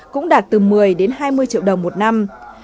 cũng đạt từ một mươi đến hai mươi triệu đồng một năm